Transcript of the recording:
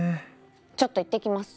ちょっと行ってきます！